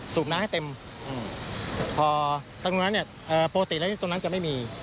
สูบน้ำให้เต็มพอตรงนั้นเนี้ยเอ่อปกติแล้วเนี้ยตรงนั้นจะไม่มี